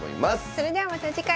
それではまた次回。